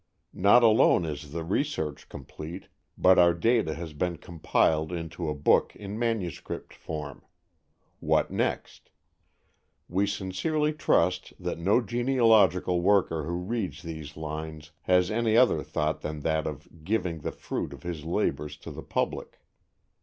Not alone is the research complete, but our data has been compiled into a book in manuscript form. What next? We sincerely trust that no genealogical worker who reads these lines has any other thought than that of giving the fruit of his labors to the public.